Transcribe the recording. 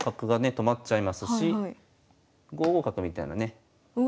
止まっちゃいますし５五角みたいなねうわ